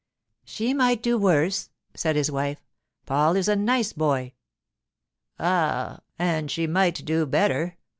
'She might do worse,' said his wife. 'Paul is a nice boy.' 'Ah—and she might do better.